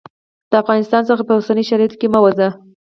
د افغانستان څخه په اوسنیو شرایطو کې مه ووزه.